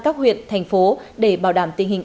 các huyện thành phố để bảo đảm tình hình